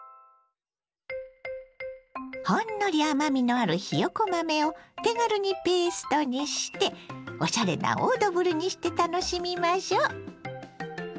ほんのり甘みのあるひよこ豆を手軽にペーストにしておしゃれなオードブルにして楽しみましょう。